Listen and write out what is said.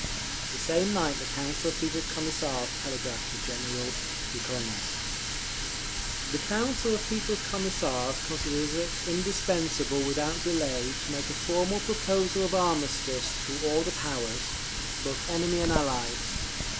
The same night the Council of People's Commissars telegraphed to General Dukhonin: … The Council of People's Commissars considers it indispensable without delay to make a formal proposal of armistice to all the powers, both enemy and Allied.